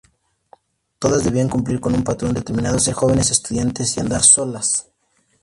Todas debían cumplir con un patrón determinado: ser jóvenes, estudiantes y andar solas.